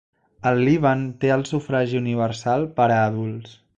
El Líban té el sufragi universal per a adults.